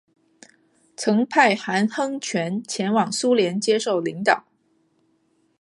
曾派韩亨权前往苏联接受领导。